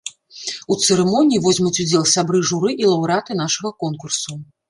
У цырымоніі возьмуць удзел сябры журы і лаўрэаты нашага конкурсу.